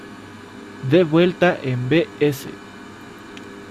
De vuelta en Bs.